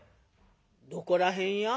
「どこら辺や？」。